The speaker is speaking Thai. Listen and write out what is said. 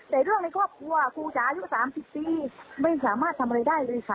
แต่เรื่องในครอบครัวครูจ๋าอายุ๓๐ปีไม่สามารถทำอะไรได้เลยค่ะ